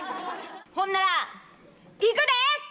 ほんならいくで！